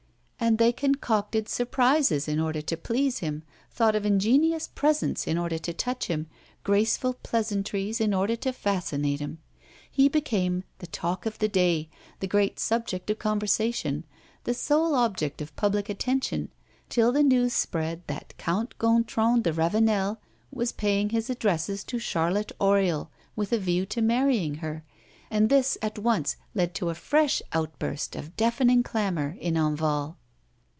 And they concocted surprises in order to please him, thought of ingenious presents in order to touch him, graceful pleasantries in order to fascinate him. He became the "talk of the day," the great subject of conversation, the sole object of public attention, till the news spread that Count Gontran de Ravenel was paying his addresses to Charlotte Oriol with a view to marrying her. And this at once led to a fresh outburst of deafening clamor in Enval.